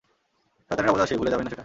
শয়তানের অবতার সে, ভুলে যাবেন না সেটা!